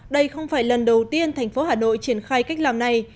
đây không phải lần đầu tiên thành phố hà nội triển khai cách làm này